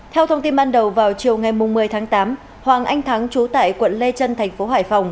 theo thông tin ban đầu vào chiều ngày một mươi tháng tám hoàng anh thắng trú tại quận lê trân thành phố hải phòng